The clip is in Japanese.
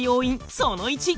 その１。